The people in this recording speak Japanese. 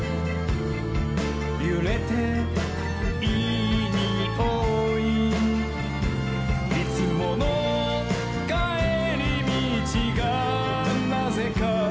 「ゆれていいにおい」「いつものかえりみちがなぜか」